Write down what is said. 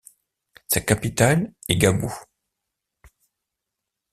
Sa capitale est Gabú.